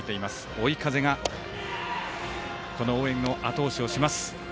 追い風がこの応援のあと押しをします。